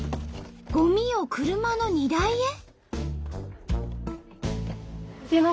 ゴミを車の荷台へ。